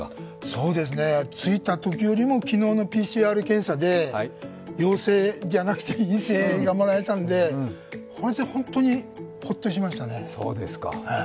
そうですね、着いたときよりも昨日のＰＣＲ検査で陽性じゃなくて陰性がもらえたんで、これで本当にホッとしましたね。